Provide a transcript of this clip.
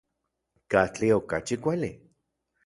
¿Katli okachi kuali?